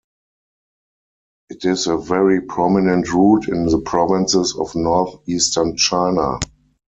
It is a very prominent route in the provinces of northeastern China.